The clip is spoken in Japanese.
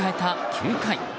９回。